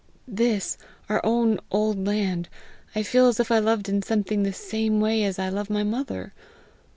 This, our own old land, I feel as if I loved in something the same way as I love my mother.